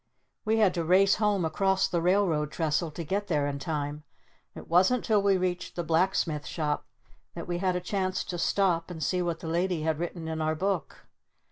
We had to race home across the railroad trestle to get there in time. It wasn't till we reached the Blacksmith Shop that we had a chance to stop and see what the Lady had written in our book.